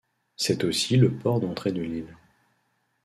C'est aussi le port d'entrée de l'île.